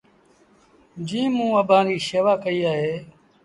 جيٚنٚ موٚنٚ اڀآنٚ ريٚ شيوآ ڪئيٚ اهي